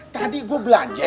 tadi gua belanja ya